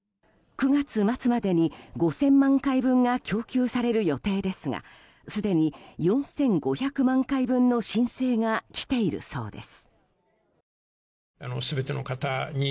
９月末までに５０００万回分が供給される予定ですがすでに４５００万回分の申請がきているそうです。